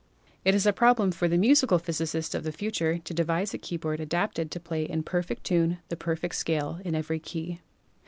It is a problem for the "musical" physicist of the future to devise a keyboard adapted to play in perfect tune the perfect scale in every key.